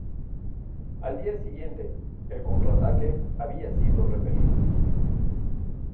Al día siguiente, el contraataque había sido repelido.